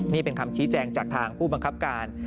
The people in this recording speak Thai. นี่เป็นคำชี้แจงจากทางผู้บังคับการ